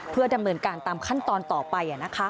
เพื่อดำเนินการตามขั้นตอนต่อไป